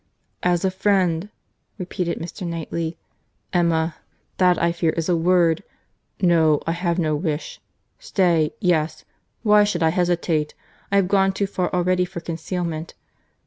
"As a friend!"—repeated Mr. Knightley.—"Emma, that I fear is a word—No, I have no wish—Stay, yes, why should I hesitate?—I have gone too far already for concealment.